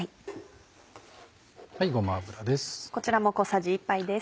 ごま油です。